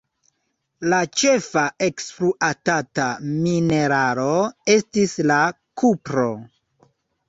La ĉefa ekspluatata mineralo estis la kupro.